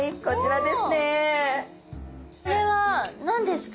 これは何ですか？